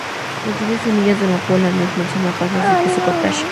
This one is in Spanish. Contiene semilla de amapola, nuez, manzana, pasas y queso "cottage".